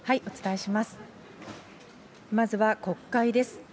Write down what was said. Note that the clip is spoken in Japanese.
お伝えします。